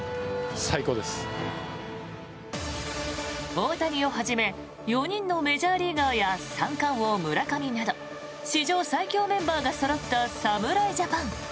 大谷をはじめ４人のメジャーリーガーや三冠王、村上など史上最強メンバーがそろった侍ジャパン。